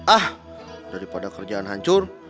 ah daripada kerjaan hancur